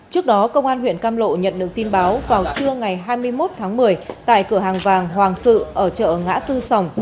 trước đó công an huyện cam lộ nhận được tin báo vào trưa ngày hai mươi một tháng một mươi tại cửa hàng vàng hoàng sự ở chợ ngã tư sòng